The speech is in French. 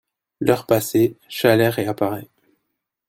L'heure passée, Chalais réapparaît.